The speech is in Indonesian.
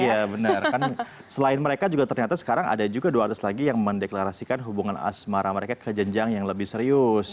iya benar kan selain mereka juga ternyata sekarang ada juga dua ratus lagi yang mendeklarasikan hubungan asmara mereka ke jenjang yang lebih serius